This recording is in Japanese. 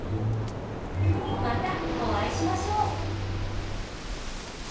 またおあいしましょう！